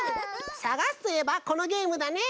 さがすといえばこのゲームだね！